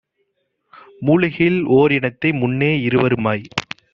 மூலிகையில் ஓர்இனத்தை முன்னே இருவருமாய்